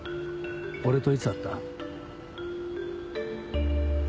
俺といつ会った？